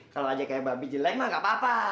kalo wajah kayak mba be jelek mah gapapa